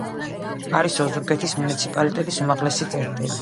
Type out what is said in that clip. არის ოზურგეთის მუნიციპალიტეტის უმაღლესი წერტილი.